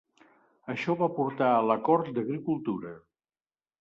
Això va portar a l'Acord d'Agricultura.